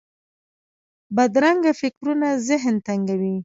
بدرنګه فکرونه ذهن تنګوي